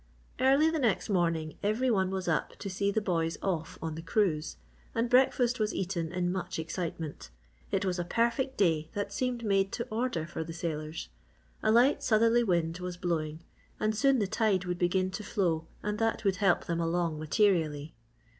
Early the next morning every one was up to see the boys off on the cruise, and breakfast was eaten in much excitement. It was a perfect day that seemed made to order for the sailors. A light southerly wind was blowing and soon the tide would begin to flow and that would help them along materially.